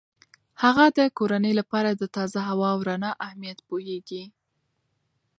هغه د کورنۍ لپاره د تازه هوا او رڼا اهمیت پوهیږي.